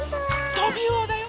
トビウオだよ！